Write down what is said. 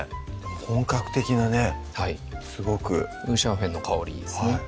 本格的なねすごく五香粉の香りですね